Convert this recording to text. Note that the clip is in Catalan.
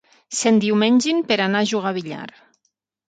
S'endiumengin per anar a jugar a billar.